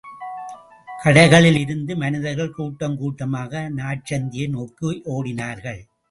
கடைகளில் இருந்த மனிதர்கள், கூட்டங் கூட்டமாக நாற்சந்தியை நோக்கி ஓடினார்கள்.